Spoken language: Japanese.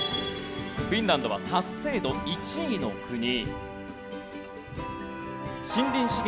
フィンランドは達成度１位の国。